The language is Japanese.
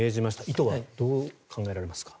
意図はどう考えられますか？